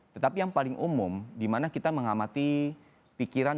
tetapi yang paling umum dimana kita mengamati pikiran